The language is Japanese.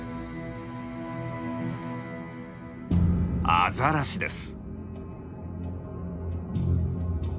アザラシです。